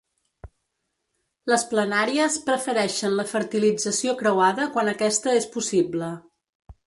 Les planàries prefereixen la fertilització creuada quan aquesta és possible.